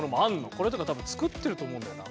これとか多分作ってると思うんだよな。